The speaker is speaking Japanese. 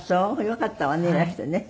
よかったわねいらしてね。